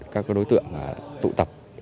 các đối tượng tụ tập